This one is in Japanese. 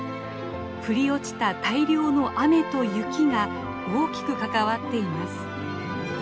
降り落ちた大量の雨と雪が大きく関わっています。